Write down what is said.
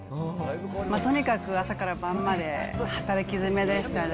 とにかく朝から晩まで働きづめでしたね。